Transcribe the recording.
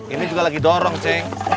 ini juga lagi dorong sih